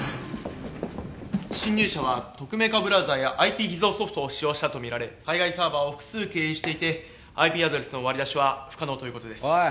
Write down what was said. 侵入者は匿名化ブラウザやＩＰ偽造ソフトを使用したと見られ海外サーバーを複数経由していてＩＰアドレスの割り出しは不可能という事です。